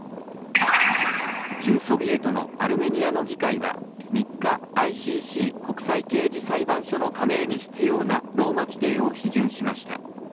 旧ソビエトのアルメニアの議会は３日、ＩＣＣ・国際刑事裁判所の加盟に必要なローマ規程を批准しました。